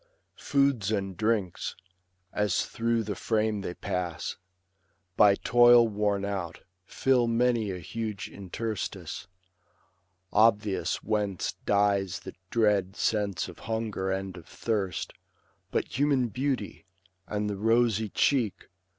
Foods and drinks, As through the frame they pass, by toil worn out, Fill many a huge interstice ; obvious whence Dies the dread sense of hunger and of thirst ; But human beauty, and the rosy cheek.